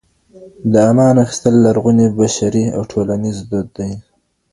د امان اخيستل لرغونی بشري او ټولنيز دود دی.